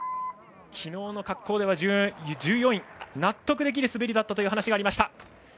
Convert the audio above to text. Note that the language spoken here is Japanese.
昨日の滑降は１４位納得できる滑りだったという話がありました。